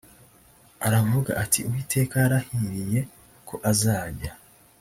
aravuga ati uwiteka yarahiriye ko azajya